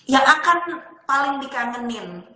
yang akan paling dikangenin